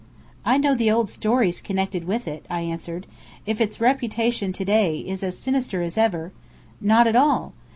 "I know the old stories connected with it," I answered. "If it's reputation to day is as sinister as ever ." "Not at all.